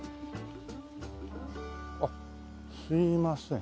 あっすいません。